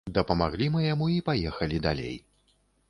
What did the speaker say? Дапамаглі мы яму і паехалі далей.